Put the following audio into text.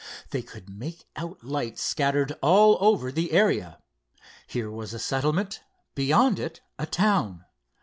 They could make out lights scattered all over the area. Here was a settlement, beyond it a town.